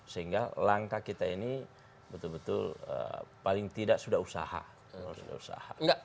sehingga langkah kita ini betul betul paling tidak sudah usaha